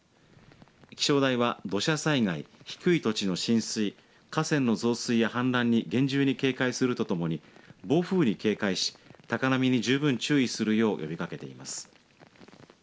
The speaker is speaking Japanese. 気象台は土砂災害、低い土地の浸水、河川の増水や氾濫に厳重に警戒するとともに暴風に警戒し、高波に十分注意するよう呼びかけています。